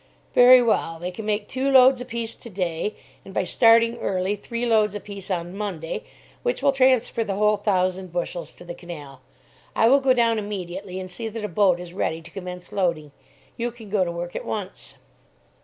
"Very well. They can make two loads apiece to day, and, by starting early, three loads apiece on Monday, which will transfer the whole thousand bushels to the canal. I will go down immediately and see that a boat is ready to commence loading. You can go to work at once."